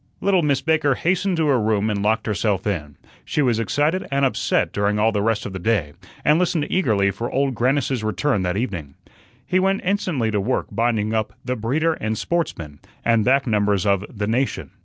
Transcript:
Little Miss Baker hastened to her room and locked herself in. She was excited and upset during all the rest of the day, and listened eagerly for Old Grannis's return that evening. He went instantly to work binding up "The Breeder and Sportsman," and back numbers of the "Nation."